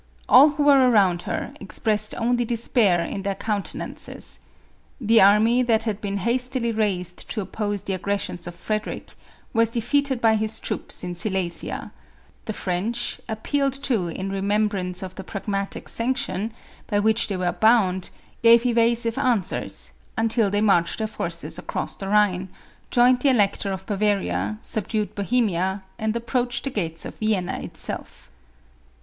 All who were around her, expressed only de spair in their countenances. The army that had been hastily raised to oppose the aggressions of Frederic, was defeated by his troops, in Silesia. The French, appealed to in remembrance of the Pragmatic Sanction, MARIA THERESA. 193 by which they were bound, gave evasive answers, until they marched their forces across the Rhine, joined the Elector of Bavaria, subdued Bohemia, and approached the gates of Vienna itself.